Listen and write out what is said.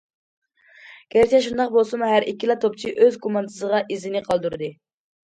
گەرچە شۇنداق بولسىمۇ ھەر ئىككىلا توپچى ئۆز كوماندىسىغا ئىزىنى قالدۇردى.